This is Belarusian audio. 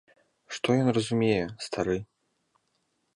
Што ён разумее, стары?